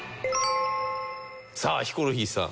さあヒコロヒーさん。